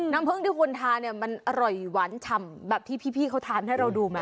น้ำผึ้งที่คุณทานเนี่ยมันอร่อยหวานฉ่ำแบบที่พี่เขาทานให้เราดูไหม